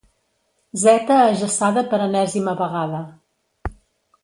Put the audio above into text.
Zeta ajaçada per enèsima vegada.